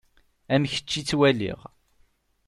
Am kečč i ttwaliɣ.